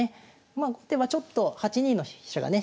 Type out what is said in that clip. まあ後手はちょっと８二の飛車がね